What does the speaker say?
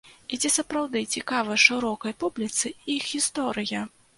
І ці сапраўды цікава шырокай публіцы іх гісторыя?